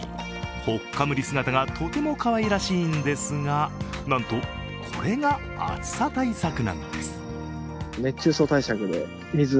ほっかむり姿がとてもかわいらしいんですがなんと、これが暑さ対策なんです。